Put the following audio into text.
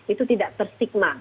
itu tidak tersigma